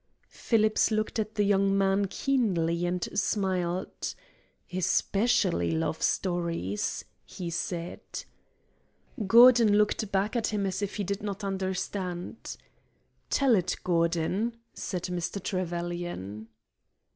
Phillips looked at the young man keenly and smiled. "Especially love stories," he said. Gordon looked back at him as if he did not understand. "Tell it, Gordon," said Mr. Trevelyan.